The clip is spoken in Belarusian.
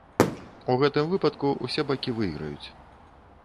У гэтым выпадку ўсе бакі выйграюць.